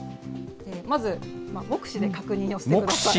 まず、目視で確認をしてください。